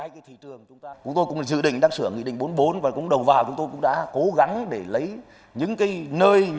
chúng tôi cũng dự định đang sửa nghị định bốn mươi bốn và cũng đầu vào chúng tôi cũng đã cố gắng để lấy những cái nơi